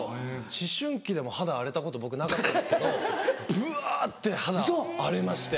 思春期でも肌荒れたこと僕なかったんですけどぶわって肌荒れまして。